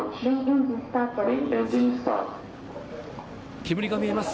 煙が見えます。